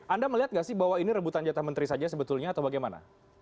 anda melihat nggak sih bahwa ini rebutan jatah menteri saja sebetulnya atau bagaimana